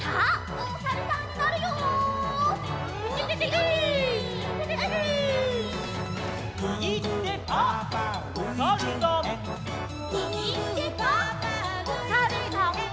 おさるさん。